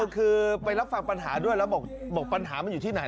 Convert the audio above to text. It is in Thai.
คือไปรับฟังปัญหาด้วยแล้วบอกปัญหามันอยู่ที่ไหน